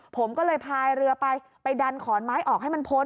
ผมก็เลยพายเรือไปไปดันขอนไม้ออกให้มันพ้น